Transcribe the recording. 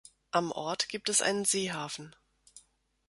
Am Ort gibt es einen Seehafen.